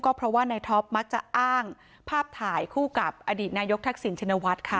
เพราะว่าในท็อปมักจะอ้างภาพถ่ายคู่กับอดีตนายกทักษิณชินวัฒน์ค่ะ